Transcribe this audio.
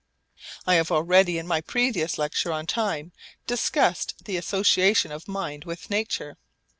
I have already in my previous lecture on Time discussed the association of mind with nature.